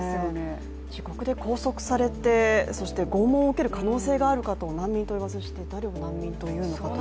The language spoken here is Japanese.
自国で拘束されて、拷問を受ける可能性がある方を難民と言わずして誰を難民とするのか。